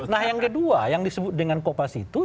nah yang kedua yang disebut dengan kopas itu